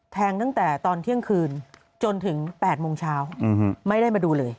ตั้งแต่ตอนเที่ยงคืนจนถึง๘โมงเช้าไม่ได้มาดูเลย